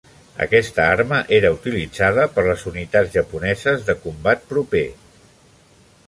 Aquesta arma era utilitzada per les Unitats Japoneses de Combat Proper.